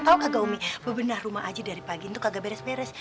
tahu kagak umi bebenah rumah aja dari pagi itu kagak beres beres